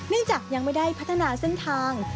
จากยังไม่ได้พัฒนาเส้นทาง